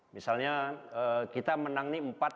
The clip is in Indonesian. misalnya kita menang empat lima